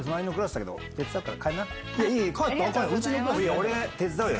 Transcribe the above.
俺手伝うよ。